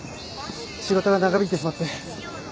仕事が長引いてしまって。